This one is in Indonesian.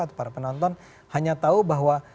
atau para penonton hanya tahu bahwa